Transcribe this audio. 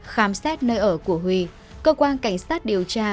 khám xét nơi ở của huy cơ quan cảnh sát điều tra